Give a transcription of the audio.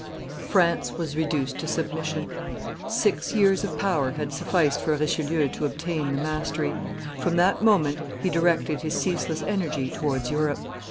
France was reduced to submission; six years of power had sufficed for Richelieu to obtain the mastery; from that moment he directed his ceaseless energy towards Europe.